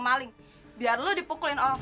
masih berani pulang